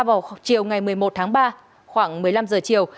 vào chiều ngày một mươi một tháng ba khoảng một mươi năm giờ chiều